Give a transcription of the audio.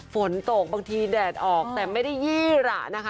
ฝนตกบางทีแดดออกแต่ไม่ได้ยี่ระนะคะ